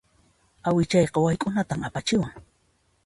Awichayqa wayk'unatan apachiwan.